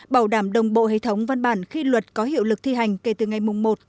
bảo đảm đồng bộ hệ thống văn bản khi luật có hiệu lực thi hành kể từ ngày một bảy hai nghìn hai mươi bốn